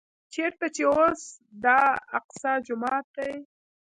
چېرته چې اوس د الاقصی جومات دی.